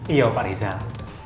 iya pak rijal